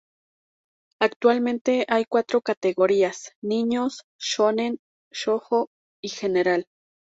Actualmente hay cuatro categorías: niños, "shōnen", "shōjo" y general.